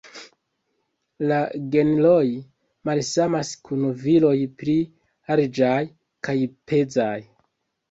La genroj malsamas kun viroj pli larĝaj kaj pezaj.